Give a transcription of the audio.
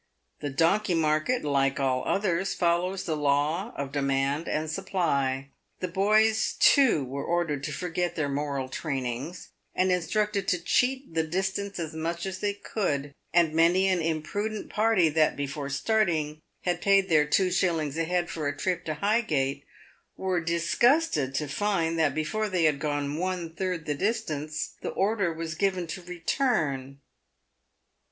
The donkey market, like all others, follows the law of demand and supply. The boys, too, were ordered to forget their moral trainings, and in structed to cheat the distance as much as they could ; and many an imprudent party that, before starting, had paid their two shillings a head for a trip to Highgate, were disgusted to find that, before they had gone one third the distance, the order was given to return.